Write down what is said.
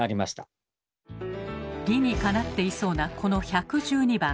理にかなっていそうなこの１１２番。